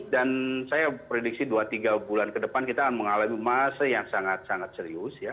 dan saya prediksi dua tiga bulan ke depan kita akan mengalami masa yang sangat sangat serius ya